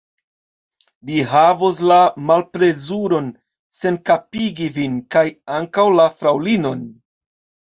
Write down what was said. Li havos la malplezuron senkapigi vin, kaj ankaŭ la fraŭlinon.